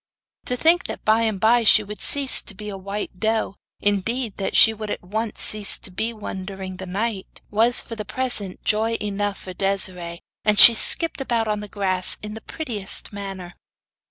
To think that by and by she would cease to be a white doe indeed, that she would at once cease to be one during the night was for the present joy enough for Desiree, and she skipped about on the grass in the prettiest manner.